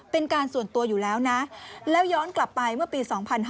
เป็นการส่วนตัวอยู่แล้วนะแล้วย้อนกลับไปเมื่อปี๒๕๕๙